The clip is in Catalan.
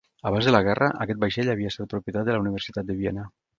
Abans de la guerra, aquest vaixell havia estat propietat de la Universitat de Viena.